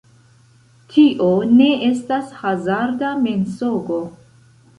Tio ne estas hazarda mensogo.